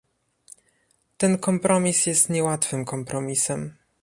Ten kompromis jest niełatwym kompromisem